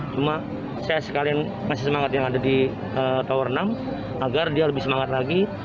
cuma saya sekalian ngasih semangat yang ada di tower enam agar dia lebih semangat lagi